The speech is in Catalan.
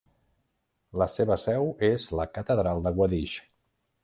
La seva seu és la Catedral de Guadix.